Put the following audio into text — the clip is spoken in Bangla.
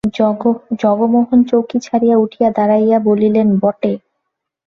জগমোহন চৌকি ছাড়িয়া উঠিয়া দাঁড়াইয়া বলিলেন, বটে!